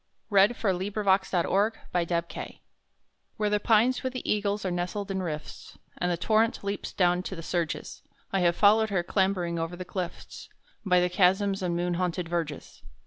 POEMS AND SONGS The Muse of Australia Where the pines with the eagles are nestled in rifts, And the torrent leaps down to the surges, I have followed her, clambering over the clifts, By the chasms and moon haunted verges.